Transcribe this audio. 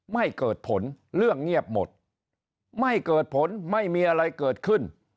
ไม่เกิดผลเรื่องเงียบหมดไม่เกิดผลไม่มีอะไรเกิดขึ้น